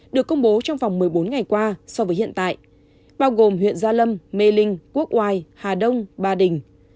được công bố trong vòng một mươi bốn ngày qua so với hiện tại bao gồm huyện gia lâm mê linh quốc oai hà đông ba đình